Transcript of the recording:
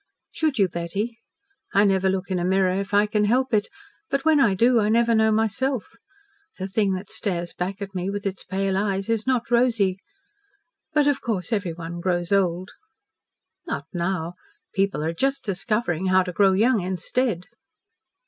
"Should you, Betty? I never look into a mirror if I can help it, but when I do I never know myself. The thing that stares back at me with its pale eyes is not Rosy. But, of course, everyone grows old." "Not now! People are just discovering how to grow young instead."